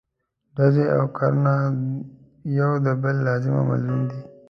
ډزې او کرنه یو د بل لازم او ملزوم دي.